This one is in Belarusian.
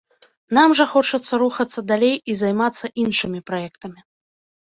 Нам жа хочацца рухацца далей і займацца іншымі праектамі.